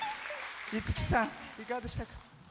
五木さん、いかがでしたか？